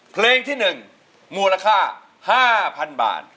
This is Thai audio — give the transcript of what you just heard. เพลงที่๑มูลค่า๕๐๐๐บาท